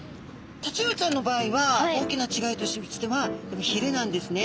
タチウオちゃんの場合は大きな違いとしてはひれなんですね。